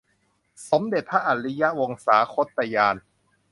สมเด็จพระอริยวงศาคตญาณ